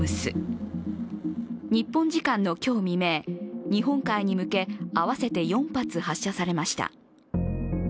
日本時間の今日未明、日本海に向け合わせて４発発射されました。